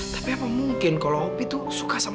tapi apa mungkin kalau opi tuh suka sama rangga